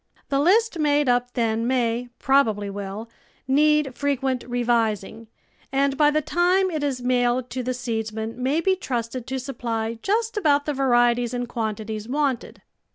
The list made up then may, probably will, need frequent revising, and by the time it is mailed to the seedsman may be trusted to supply just about the varieties and quantities wanted.